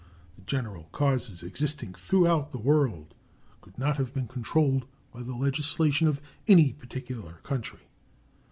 The general causes existing throughout the world could not have been controlled by the legislation of any particular country.